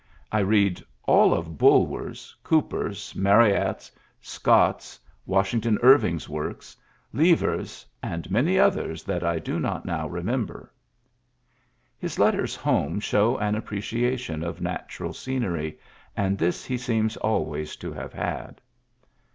... I read all of Bulwer's, ... Cooper's, Marryatfs> Scott's, "Washington Irving's works, Lever's, and many others that I do not now remember. '' His letters home show an appreciation of natural scenery, and this he seems always to have had.